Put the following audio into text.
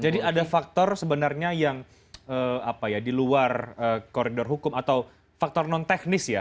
jadi ada faktor sebenarnya yang di luar koridor hukum atau faktor non teknis ya